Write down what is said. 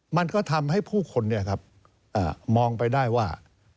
มันก็ทำให้ผู้คนเนี่ยครับมองไปได้ว่า